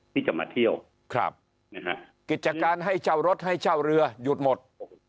ที่จะมาเที่ยวครับนะฮะกิจการให้เจ้ารถให้เจ้าเรือหยุดหมด